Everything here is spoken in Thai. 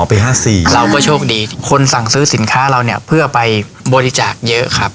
ปี๕๔เราก็โชคดีคนสั่งซื้อสินค้าเราเนี่ยเพื่อไปบริจาคเยอะครับ